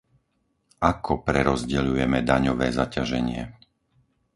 Ako prerozdeľujeme daňové zaťaženie?